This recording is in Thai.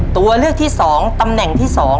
ตัวเลือกที่สองตำแหน่งที่สอง